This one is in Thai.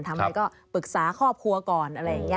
ทำอะไรก็ปรึกษาครอบครัวก่อนอะไรอย่างนี้